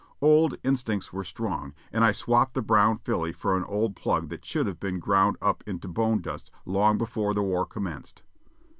Old instincts were strong, and I swapped the brown filly for an old plug that should have been ground up into bone dust long before the war commenced.